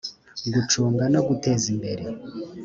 gucunga no guteza imbere